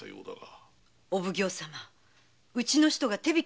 お奉行様うちの人が手引きしたとでも？